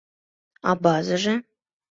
А базыже?